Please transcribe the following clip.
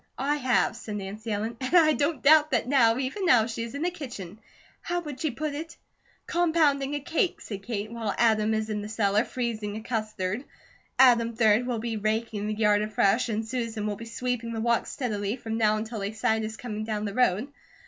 "I have," said Nancy Ellen. "And I don't doubt that now, even now, she is in the kitchen how would she put it?" "'Compounding a cake,'" said Kate, "while Adam is in the cellar 'freezing a custard.' Adam, 3d, will be raking the yard afresh and Susan will be sweeping the walks steadily from now until they sight us coming down the road.